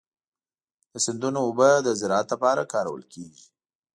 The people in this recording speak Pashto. د سیندونو اوبه د زراعت لپاره کارول کېږي.